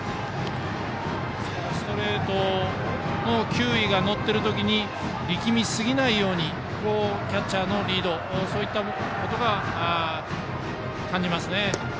ストレートの球威が乗ってる時に力みすぎないようにキャッチャーのリードそういったことを感じますね。